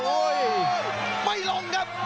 โอ้ยไม่ลงครับ